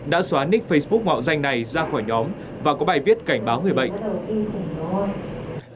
đã xóa nick facebook mạo danh này ra khỏi nhóm và có bài viết cảnh báo người bệnh